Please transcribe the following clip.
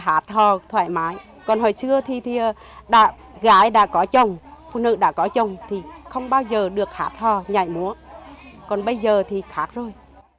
họ đã hát họ thoải mái còn hồi xưa thì gái đã có chồng phụ nữ đã có chồng thì không bao giờ được hát họ nhảy múa còn bây giờ thì khác rồi